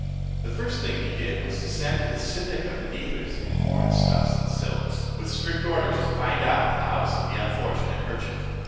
The first thing he did, was to send to the syndic of the dealers in foreign stuffs and silks, with strict orders to find out the house of the unfortunate merchant.